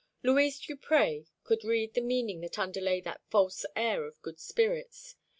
Louise Duprez could read the meaning that underlay that false air of good spirits.